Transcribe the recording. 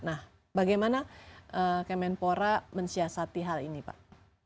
nah bagaimana kemenpora mensiasati hal ini pak